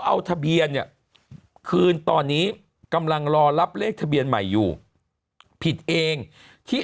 เอาทะเบียนเนี่ยคืนตอนนี้กำลังรอรับเลขทะเบียนใหม่อยู่ผิดเองที่